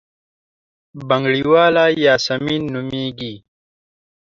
بنګړیواله یاسمین نومېږي.